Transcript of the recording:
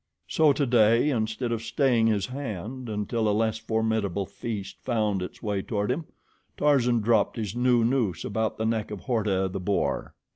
So today, instead of staying his hand until a less formidable feast found its way toward him, Tarzan dropped his new noose about the neck of Horta, the boar.